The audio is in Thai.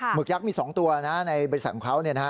ึกยักษ์มี๒ตัวนะในบริษัทของเขา